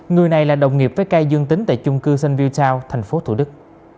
người này là đồng nghiệp với cai dương tính tại chung cư st ville town tp thủ đức